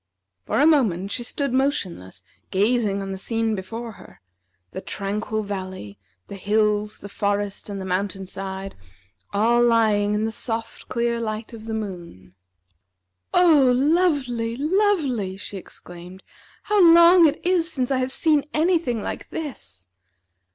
For a moment she stood motionless, gazing on the scene before her, the tranquil valley, the hills, the forest, and the mountain side, all lying in the soft clear light of the moon. "Oh, lovely! lovely!" she exclaimed. "How long it is since I have seen any thing like this!"